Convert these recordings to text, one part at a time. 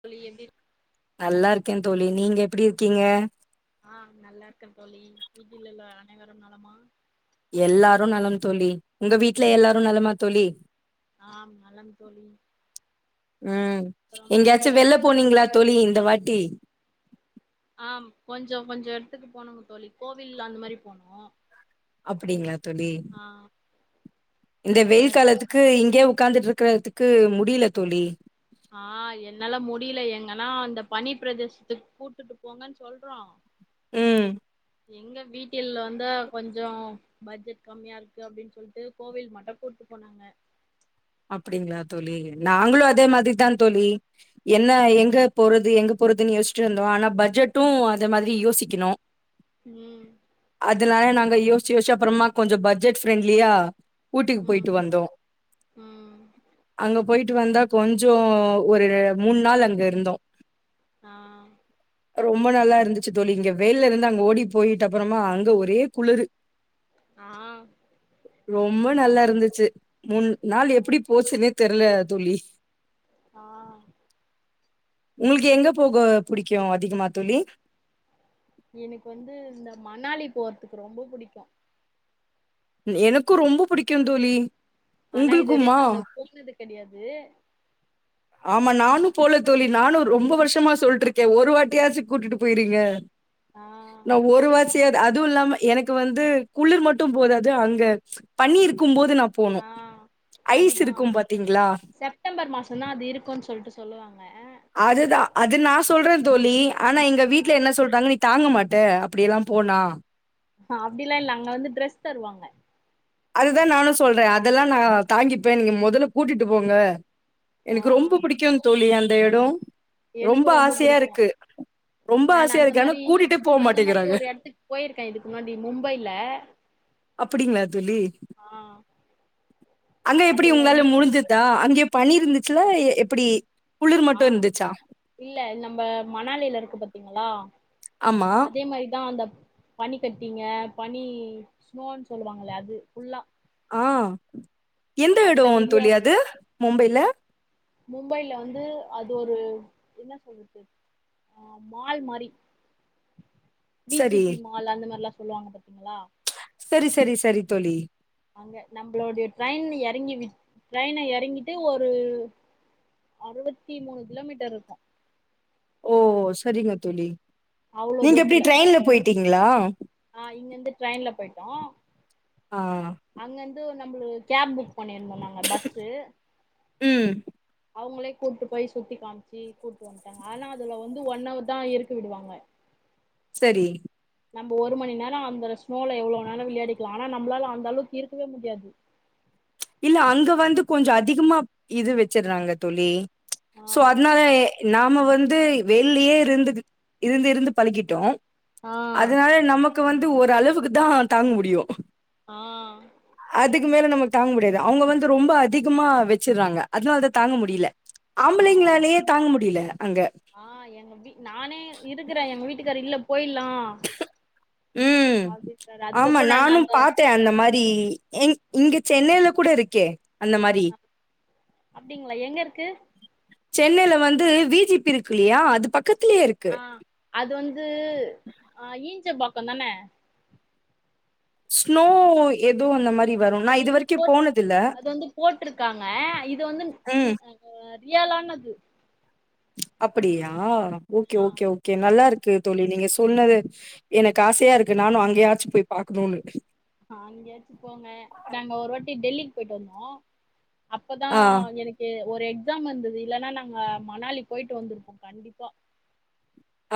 தோழி எப்டி நல்லாருக்கே தோழி நீங்க எப்பிடி இருக்கீங்க ஆ நல்லாருக்கன் தோழி வீட்டிலுள்ள அனைவரும் நலமா எல்லாரும் நலம் தோழி உங்க வீட்ல எல்லாரு‌ நலமா தோழி ஆம் நலம் தோழி ம் அப்புறம் எங்கியாச்சு இரவு வெள்ள சாப் போனீங்ளா தோழி இந்த வாட்டி ஆம் கொஞ்ச கொஞ்ச எடத்துக்கு போனுங்க தோழி கோவில் அந்த மாரி போனோ அப்படிங்ளா தோழி ஆ இந்த நம்ம வெயில் தனி காலத்துக்கு இங்கியே உட்கார்ந்துட்ருக்கதுக்கு முடில தோழி ஆ என்னால முடில எங்கன்னா அந்த பனி பிரதேசத்துக் கூட்டுட்டு போங்கன் சொல்றோ ம் எங்க வீட்டில் வந்து கொஞ்சோ பட்ஜெட் கம்மியா இருக்கு அப்டின் சொல்ட்டு கோவில் மட்டு கூட்டு போனாங்க அப்படிங்களா தோழி நாங்களு அதே மாதிர்தா தோழி என்ன எங்க போறது எங்க போறதுன் யோஸ்டேருந்தோ ஆனா பட்ஜெட்டு அது மாதிரி யோசிக்கிணு ம் அதனால நாங்க யோசிச்சு யோசிச்சு அப்பறமா கொஞ்சோ பட்ஜெட் ஃப்ரெண்ட்லியா ஊட்டிக்கு ம் போய்ட்டு வந்தோ ம் அங்க போய்ட்டு வந்தா கொஞ்சோ ஒரு மூணு நாள் அங்க இருந்தோ ஆ ரொம்பா நல்லா இருந்துச்சு தோழி இங்க வெயில்லருந்து அங்க ஓடி போயிட்டப்புறமா அங்க ஒரே குளுரு ஆ ரொம்ப நல்லா இருந்துச்சி மூன் நாள் எப்பிடிப் போச்சினே தெர்ல தோழி ஆ உங்ளுக்கு எங்க போக புடிக்கு அதிகமா தோழி எனக்கு வந்து இந்த மணாலி போறதுக்கு ரொம்ப புடிக்கு ம் எனக்கு ரொம்ப புடிக்கு தோழி ஆனா இதுவரையு உங்களுக்குமா? நாங்க போனது கெடையாது ஆமா நானு போல தோழி நானு ரொம்ப வர்ஷமா சொல்லிருக்கே ஒரு வாட்டியாச்சு கூட்டிட்டு போய்றீங்க ஆ நா ஒருவா சேத் [inaudible] அதுவு இல்லாம எனக்கு வந்து குளிர் மட்டு போதாது அங்க பனி இருக்கு போது நா போனு ஆ ஐஸ் அதுதா இருக்கு பாத்தீங்ளா செப்டம்பர் மாசோந்தா அது இருக்குன்னு சொல்ட்டு சொல்லுவாங்க அதுதா அது நா சொல்றே தோழி ஆனா எங்க ஆ வீட்ல என்ன சொல்றாங்க நீ தாங்க மாட்ட அப்டியெல்லா போனா அப்டியெல்லா இல்ல அங்க வந்து டிரஸ் தருவாங்க அதுதா நானு சொல்றே அதெல்லா நா தாங்கிப்பே நீங்க மொதல்ல கூட்டிட் போங்க ஆ எனக்கு ரொம்ப புடிக்கு தோழி அந்த எடோ எனக்கு ரொம்ப ஆசையா புடிக்கு இருக்கு ரொம்ப நான் ஆசையா இருக்கு ஆனா கூட்டிட்டே போ மாட்டேகிறாங்க போய்ருக்க இதுக்கு முன்னாடி மும்பைல அப்டிங்களா தோழி ஆ அங்க எப்டி அதுல வந் உங்களால முடிஞ்சுதா அங்கே பனி இருந்துச்சுல எ எப்டி ஆ இல்ல நம்ம மணாலில இருக்கு பாத்தீங்ளா ஆமா அதே மாரிதா அந்த பனி கட்டிங்க பனி ஸ்னோன் சொல்லுவாங்கல்ல அது ஃபுல்லா ஆ எந்த எடோ அதுல விளையா தோழி அது மும்பைல மும்பைல வந்து அது ஒரு என்ன சொல்றது ஆ மால் மாரி வி ஜி சரி. பி மால் அந்த மாரில்லா சொல்லுவாங்க பாத்தீங்ளா செரி செரி செரி தோழி அங்க நம்பளோடைய ட்ரெயின் இறங்கி விட் ட்ரெயின எறங்கிட்டு ஒரு அறுவத்தி மூணு கிலோமீட்டர் இருக்கு ஓ சரிங்க தோழி அவ்ளோ நீங்க எப்டி தூரத்துல ட்ரெயின்ல போய்ட்டீங்ளா ஆ இங்கிருந்து ட்ரெயின்ல போய்ட்டோ ஆ அங்கெந்து நம்புளு கேப் புக் பண்ணிருந்தோ நாங்க பஸ்ஸு ம் அவுங்களே கூப்ட்டு போய் சுத்தி காமிச்சு கூப்ட்டு வந்துட்டாங்க ஆனா அதுல வந்து ஒன் ஹவர் தா இருக்க விடுவாங்க செரி நம்ப ஒரு மணி நேரோ அந்த ஸ்னோல எவ்ளோனலு விளையாடிக்கலா ஆனா நம்பளால அந்த அளவுக்கு இருக்கவே முடியாது இல்ல அங்க வந்து கொஞ்ச அதிகமா இது வச்சர்றாங்க தோழி ஆ சோ அதனால நாம வந்து வெயிளியே இருந்து இருந்து இருந்து பழிக்கிட்டோ அதனால நமக் கு வந்து ஓரளவுக்கு தா தாங்க முடியு ஆ அதுக்கு மேல நமக்கு தாங்க முடியாது அவுங்க வந்து ரொம்ப அதிகமா வச்சடுறாங்க அதனால அத தாங்க முடியில ஆ ஆ ஆம்பளைங்களாலேயே தாங்க முடியில அங்க ஆ எங்க வீ நானே இருக்கறே எங்க வீட்டுக்காரு இல்ல போய்லா ம் ஆமா அதுக்கப்றோ நானு அந்த பாத்தே அந்த மாரி எங் இங்க சென்னைல கூட இருக்கே அந்த மாரி அப்டிங்ளா எங்க இருக்கு சென்னைல வந்து வி ஜி பி இருக்கு இல்லையா அது பக்கத்லே இருக்கு ஆ அது வந்து ஆ ஈஞ்ச பாக்கந்தான ஸ்னோ எதோ அந்த மாரி வரும். அது நான் வந்து இதுவரைக்கும் போட்ரு போனதில்ல. அது வந்து போட்ருக்காங்க இது வந்து நீ ம். அவுங்க ரியாலானது அப்டியா ஓகே ஆ ஓகே ஓ கே நல்லா இருக்கு தோழி நீங்க சொன்னது எனக்கு ஆசையா இருக்கு நானு அங்கயாச்சு போய் பாக்கணுனு ஆ அங்கயாச்சு போங்க நாங்க ஒரு வாட்டி டெல்லிக்கு போயிட்டு வந்தோ அப்பதா ஆ, எனக்கு ஒரு எக்ஸாம் வந்தது இல்லனா நாங்க மணாலி போயிட்டு வந்திருப்போ கண்டிப்பா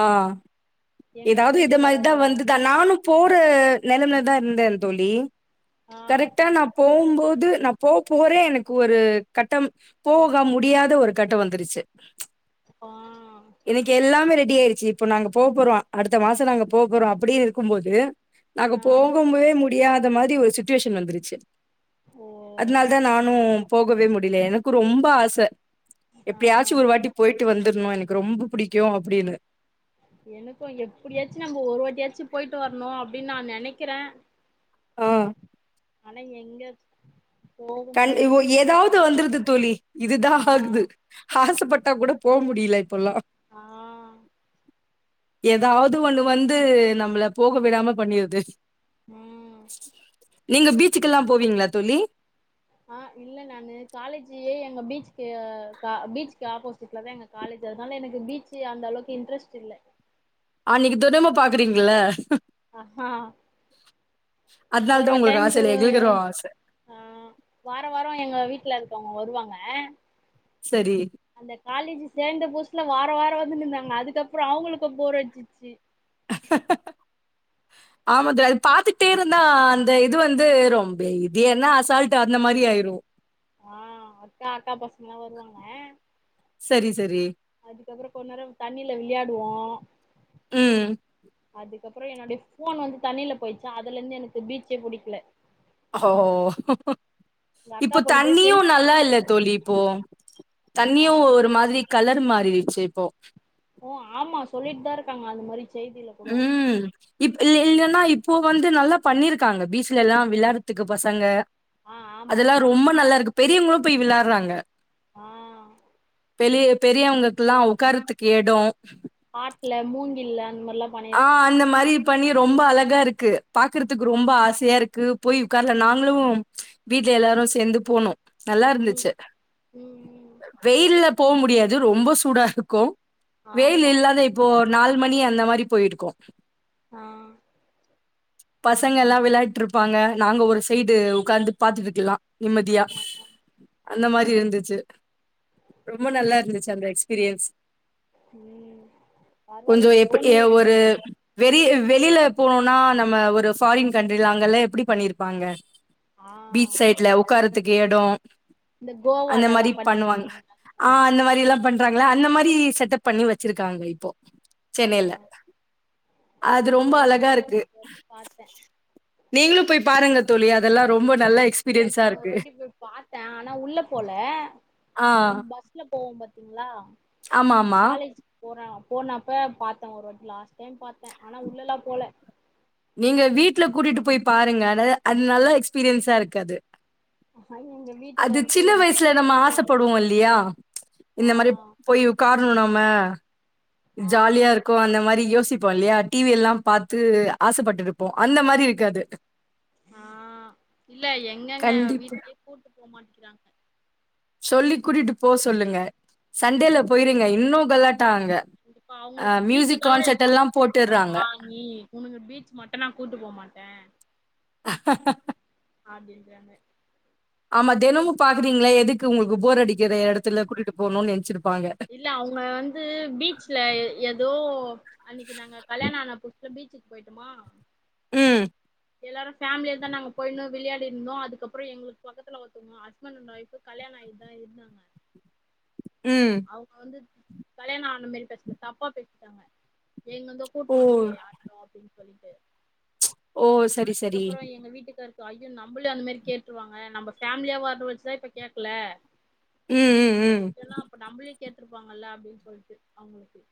ஆ எங்க ஏதாவது இத மாரிதா வீட்டுக்காரோட வந்ததா நானு போற நிலைம்ல தா இருந்தே தோழி ஆ கரெக்டா நா போம்போது நா போபோறே எனக்கு ஒரு கட்டம் போக முடியாத ஒரு கட்ட வந்துருச்சு ப ஆ எனக்கு எல்லாமே ரெடி ஆயீருச்சு இப்போ நாங்க போபோறோ அடுத்த மாச நாங்க போபோறோ அப்படி இருக்குபோது நாங்க ஆ போகவே முடியாத மாரி ஒரு சுட்டுவேஷன் வந்துருச்சு ஓ அதனால தா நானு போகவே முடியல எனக்கு ரொம்ப ஆச எப்பயா சு ஆ ஒரு வாட்டி போயிட்டு வந்துர்ணு எனக்கு ரொம்ப புடிக்கு அப்டின்னு எனக்கு எப்பிடியாச்சு நம்ம ஒரு வாட்டியாச்சு போயிட்டு வர்ணு அப்டின் நா நெனைக்கிறே ஆ ஆனா எங்க போக முடிய கண்டு உ மாட்டேங்குது ஏதாது தோழி வந்துருது தோழி இதுதா ஆ ஆகுது ஆசைப்பட்டா கூட போ முடில இப்புலா ஆ ஏதாவ்து ஒண்ணு வந்து நம்மள போக விடாம பண்ணிருது ம் நீங்க பீச்சுக்கெல்லா போவீங்ளா தோழி ஆ இல்ல நானு காலேஜீ எங்க பீச்கு க பீச்கு ஆப்போசிட்ல தா எங்க காலேஜீ அதுனால எனக்கு பீச்சு அந்தளவுக்கு இன்ட்ரெஸ்ட் இல்லை அன்னிக்கு தொரும்ப பாக்குறீங்கள அஹா அதனால ஒரு தா ஒர் உங்களுக்கு ஆச டைம்பு இல்ல எங்களுக்கு ஆச ஆ வார வாரோ எங்க வீட்ல இருக்கவங்க வருவாங்க சரி அந்த காலேஜீ சேர்ந்த புதுசுல வார வாரோ வந்துன்ந்தாங்க அதுக்கப்புறோ அவுங்களுக்கு போர்ரடிச்சிச்சு ஆமா த அது பாத்துட்டே இருந்தா அந்த இது வந்து ரொம்ப இது என்ன அசால்ட் அந்த மாரி ஆயிரு ஆ அக்கா அக்கா பசங்கல்லா வருவாங்க ஆ சரி சரி அதுக்கப்புற கொண் நேரோ தண்ணில விளையாடுவோ ம். அது கப்புறோ என்னோடைய போன் வந்து தண்ணில போயிச்சா அதுலந்து எனக்கு பீச்சே புடிக்கில ஓ எங்க அக்கா இப்போ பொண்ணு போய் தண்ணியு செல்ஃபி நல்லா இல்ல எடுக்குறேன்னு தோழி சொல்லிட்டு இப்போ தண்ணியு ஆ ஒரு மாதிரி கலர் மாறிடுச்சே இப்போ ஓ ஆமா சொல்லிட்டு தா இருக்காங்க அந்த மாறி ம் இப்ப இ இல்லன்னா இப்போ வந்து நல்லா பண்ணிருக்காங்க பீச்சில எல்லா விளாறதுக்கு பசங்க ஆ ஆமா அதெல்லா ரொம்ப நல்லா இருக்கு பெரியவங்களு பேய் விளாறாங்க ஆ பெலிய பெரியவங்கக்கல்லா உக்காரதுக்கு எடோ ஆட்ல மூங்கில்ல அந்த மாதிரிலா ஆ அந்த மாரி பண்ணி ரொம்ப அழகா இருக்கு பாக்குறதுக்கு ரொம்ப ஆ சையா இருக்கு போய் உக்காரலா நாங்களு வீட்ல எல்லாரு சேர்ந்து போனோ நல்லா ம் இருந்துச்சி ம் ம் வெயில்ல போ முடியாது ரொம்ப சூடா இருக்கு வெயில் ஆமா இல்லாத இப்போ நாலு மணி அந்த மாரி போயிருக்கோ ஆ பசங்க எல்லா விளையாட்டு இருப்பாங்க நாங்க ஒரு சைடு உட்காந்து பாத்துட்டுறிக்கலா நிம்மதியா ஆ அந்த மாரி இருந்துச்சு ரொம்ப நல்லா இருந்துச்சி அந்த எக்ஸ்பீரியன்ஸ் ம் பரவால ஏதோன் ஏ ஒரு வெளி வெளில போனா நம்ம ஒரு ஃபாரின் கண்ட்ரில அங்கெல்லா எப்டி பண்ணிருப்பாங்க ஆ பீச் சைட்ல உட்காரறதுக்கு எடோ இந்த அந்த கோவாலல்லா மாரி பண்ணுவாங்க பண்ணிருக்காங்க அந்த ஆ மாரி அந்த மாரில்லா பண் றாங்களா அந்த மாரி செட்டப் பண்ணி வச்சிருக்காங்க இப்போ ஆ சென்னைல அது ரொம்ப அத நா அழகா இருக்கு ஒரு வாட்டி பாத்தே நீங்களும் போய் பாருங்க தோழி அதெல்லா ரொம்ப நல்லா இல்ல நான் ஒரு வாட்டி போய் பார்த்த ஆனா உள்ள போல ஆ நம்ம பஸ் உள்ள போவோ பாத்தீங்ளா ஆமா ஆமா காலேஜ் போற போனப்ப பாத்த ஒரு வாட்டி லாஸ்ட் டைம் பாத்த ஆனா உள்ளலா போல நீங்க வீட்ல கூட்டிட்டு போய் பாருங்க அதாது அது நல்ல எக்ஸ்பீரியன்ஸா இருக்காது ஆஹா எங்க அது வீட்டுக்காருக்கு சின்ன வயசுல பீஃபே நம்ம பிடிக்காது ஆசைப்படுவோ இல்லயா ஆ இந்த மாரி போய் உக்காரணு நம்ம ஆ ஜாலியா இருக்கு அந்த மாரி யோசி ப்போ இல்லயா டிவி எல்லா பாத்து ஆசைப்பட்டுருப்போ அந்த மாரி இருக்காது ஆ இல்ல எங்கங்க கண்டிப்பா. வீட்லே கூட்டு போமாட்டேங்கிறாங்க சொல்லி கூட்டிட்டு போக சொல்லுங்க சண்டேல போயிருங்க இன்னு கலாட்டா அங்க கண்டிப்பா அ அவங்களுக்கு பீச்சு மியூசிக் தவிர கான்சர்ட் எங்க ஒனாலு எல்லாம் கூட்டு போட்டுர்றாங்க. போறோங்ளா ஈ உனக்கு பீச் மட்டும்னா கூட்டு போகமாட்ட அப்டிங்கறாங்க ஆமா தினமும் பாக்குறீங்கள எதுக்கு உங்களுக்கு போர் அடிக்கிற இடத்துல கூட்டிட்டு போகணும்னு நினைச்சிருப்பாங்க இல்ல அவங்க வந்து பீச்ல ஏதோ அன்னைக்கு நாங்க கல்யாண ஆன புதுசுல பீச்சி போயிட்டமா ம் எல்லாரு ஃபேமிலியாதா நாங்க போய்ணு விளையாடிணுந்தோ அதுக்கப்ரோ எங்களுக்கு பக்கத்துல ஒருத்தோங்க ஹஸ்பண்ட் அண்ட் ஒஃப் கல்யாணம் ஆய்ட்தா இருந்தாங்க ம் அவுங்க வந்து கல்யாணம் ஆன மாரி பேசல தப்பா பேசிட்டாங்க எங்க இருந்தோ ஓ! கூட்டுணு வண்டியாட்டு அப்றோ அப்டின் சொல்லிட்டு ஓ! சரி, சரி. அதுக்கப்றோ எங்க வீட்டுக்கார் ஐயோ நம்பளையு அந்தமாரி கேட்டுருவாங்க நம்ப பேமிலியா ஆன வச்சுதா இப்ப கேக்கல ம், ம், ம். சொன்னா அப்ப நம்பளையு கேட்டுருப்பாங்கல்ல அப்டின்னு சொல்ட்டு அவுங்களுக்கு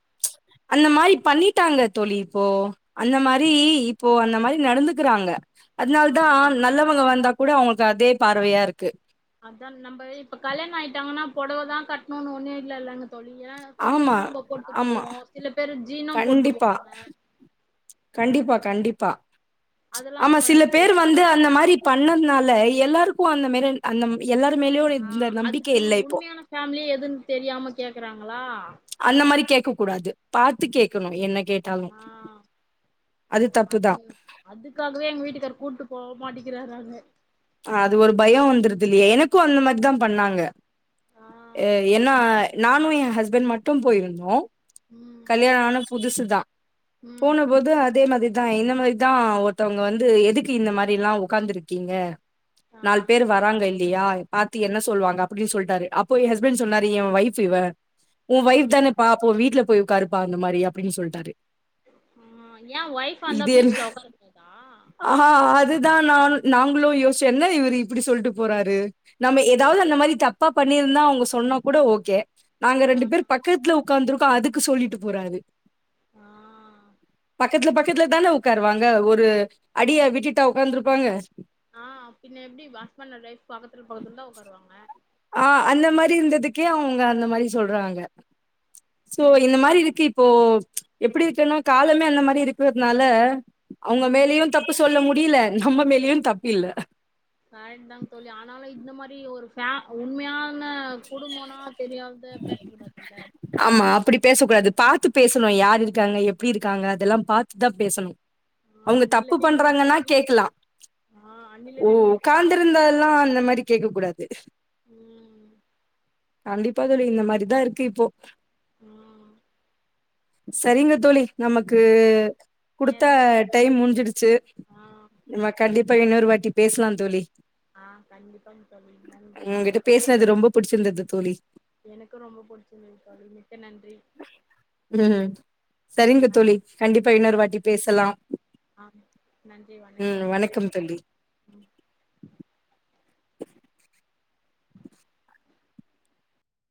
அந்த மாரி பண்ணிட்டாங்க தோழி இப்போ அந்த மாரி இப்போ அந்த மாரி நடந்துக்கறாங்க ஆ அதுனாலதா நல்லவங்க வந்தா கூட அவுங்களுக்கு அதே பார்வையா இருக்கு அதான் நம்ப இப்ப கல்யாணம் ஆயிட்டாங்கன்னா புடவ தா கட்ணுன்னு ஒண்ணு இல்லலங்க தோழி ஏ ஆமா சுடிதாருறு நம்ப போட்டு ஆமா போவோ சில பேரு ஜீனு போட்டு கண்டிப்பா போவாங்க கண்டிப்பா கண்டிப்பா அதெல்லா ஆமா சில அவங்களுக்கு பேர் வந்து அந்த மாரி பண்ணதுனால எல்லாருக்கு அந்த மாதிரியே அந்த எல்லார் மேலயு ஒரு ஆ அதுக்குன்னு உண்மையான ஃபேமிலியே எதுன்னு தெரியாம கேக்குறாங்களா அந்த மாரி கேட்க கூடாது பாத்து கேட்கணு என்ன கேட்டாலு ஆ அது அதுக்காகவே எங்க வீட்டுக்காரர் கூட்டு போக மாட்டேக்கிறாரு அங்க அது ஒரு பயோ வந்துருது இல்லையா எனக்கு அந்த மாரிதா பண்ணாங்க ஆ எனா நானு என் ஹஸ்பண்ட் மட்டு போயிருந்தோ ம் கல்யாண ஆன புதுசுதா ம் போனபோது அதே மாரி தா இந்த மாரி தா ஒருத்தவுங்க வந்து எதுக்கு இந்த மாரிலா உட்காந்து இருக்கீங்க ஆ நாலு பேரு வராங்க இல் லயா பாத்து என்ன சொல்லுவாங்க அப்டின்னு சொல்டாரு அப்போ ஏ ஹஸ்பண்ட் சொன்னாரு எ வைஃப் இவ ஆ உன் வைஃப் தானபா அப்போ வீட்டுல போய் உக்காருப்பா அந்த மாரி அப்டின்னு சொல்டாரு ஆ ஏ ஒஃப்வா இந்தா என்ன பீட்ச்ல உக்கார கூடாதா ஆ ஆ அதுதா நானு நாங்களு யோசிச்சோ என்ன இவரு இப்படி சொல்ட்டு போறாரு நம்ம ஏதாவது அந்த மாரி தப்பா பண்ணிருந்தா அவுங்க சொன்னா கூட ஓகே நாங்க ஆ ரெண்டு பேரு பக்கத்துல உட்காந்துருக்கோ அதுக்கு சொல்லிட்டு போறாரு ஆ பக்கத்துல பக்கத்துல தான உட்காருவாங்க ஒரு அடிய விட்டுட்டா உட்காந்துருப்பாங்க ஆ பின்ன எப்டி ஹஸ்பண்ட் அண்ட் வைஃப் பக்கத்துல பக்கத்துலதா உக்காருவாங்க ஆ அந்த மாரி இருந்ததுக்கே அவுங்க அந்த மாரி சொல்றாங்க சோ இந்த மாரி இருக்கு இப்போ எப்டி இருக்குனா காலமே அந்த மாரி இருக்கிறதுனால அவுங்க ம் மேலயு தப்பு சொல்ல முடியல நம்ம மேலயு தப்பு இல்ல கரெக்ட் தாங்க தோழி ஆனாலு இந்த மாரி ஒரு ஃபே உண்மையா ன குடும்போன தெரியாத பேச கூடாதுல்ல ஆமா அப்டி பேச கூடாது பாத்து பேசணு யாரு இருக்காங்க எப்டி இருக்காங்க அதெல்லா பாத்துதா பேசணு ஆ அவுங்க தப்பு அன்னிலருந்து எங்க பண்றாங்கன்னா வீட்டுக்காரு பீச் கேட்கலா ஆ ஓ அன்னிலருந்து எங்க வீட்டுக்கு பீட்சா வேணு ஓக்காந்திருந்தெல்லா அந்த மாரி கேட்க கூடாது ம் கண்டிப்பா தோழி இந்த மாரிதா இருக்கு இப்போ ஆ சேரிங்க தோழி நமக்கு குடுத்த நேரம் டைம் முடிஞ்சிடுச்சு ஆ ஆ கண்டிப்பா இன்னொரு வாட்டி பேசலா தோழி ஆ கண்டிப்பாங்க தோழி நன்றி பேசினது ரொம்ப புடிச்சிருந்துது தோழி எனக்கு ரொம்போ பிடிச்சிருந்துது தோழி மிக்க நன்றி உம் சரிங்க ஆ தோழி கண்டிப்பா இன்னோரு வாட்டி பேசலாம் ஆம் நன்றி வணக் ம் வணக்கம் தோழி உம்